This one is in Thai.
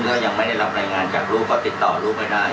ก็ยังไม่ได้รับรายงานจากลูกก็ติดต่อลูกไม่ได้